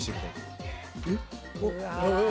うわ。